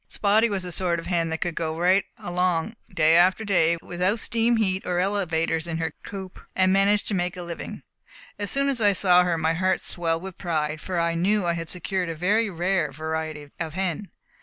Spotty was the sort of hen that could go right along day after day without steam heat or elevators in her coop and manage to make a living. As soon as I saw her, my heart swelled with pride, for I knew I had secured a very rare variety of hen.